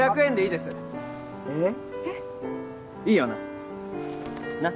いいよな？